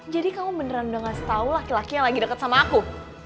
jadi kamu beneran udah gak setau laki laki yang lagi deket sama aku